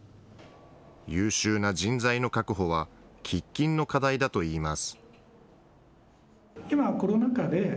優秀な人材の確保は喫緊の課題だといいます。